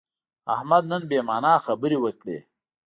احمد نن بې معنا خبرې وکړې.